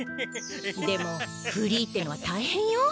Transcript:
でもフリーってのはたいへんよ。